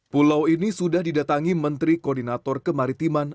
pulau ini sudah didatangi menteri koordinator kemaritiman